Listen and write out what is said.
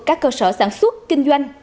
các cơ sở sản xuất kinh doanh